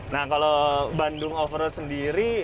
nah kalau bandung overall sendiri